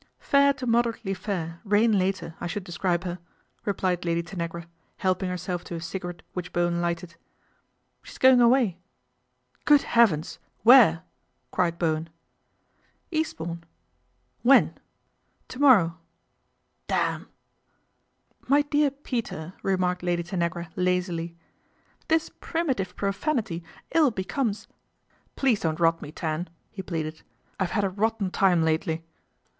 " Fair to moderately fair, rain later, I should describe her," replied Lady Tanagra, helping her self to a cigarette which Bowen lighted. " She's going away." " Good heavens ! Where ?" cried Bowen. " Eastbourne." " When ?"" To morrow." " Damn !" GALVIN HOUSE AFTER THE RAID 281 " My dear Peter," remarked Lady Tanagra lllazily, "this primitive profanity ill becomes "" Please don't rot me, Tan," he pleaded. " I've had a rotten time lately."